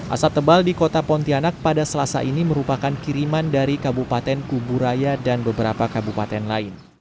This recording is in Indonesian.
asap tebal di kota pontianak pada selasa ini merupakan kiriman dari kabupaten kuburaya dan beberapa kabupaten lain